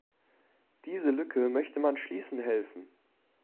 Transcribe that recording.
Diese Lücke möchte man schließen helfen.